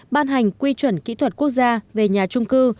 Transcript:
ban hành quy chuẩn kỹ thuật quốc gia về nhà trung cư